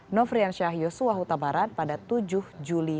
nofrian syah yosua hutabarat pada tujuh juli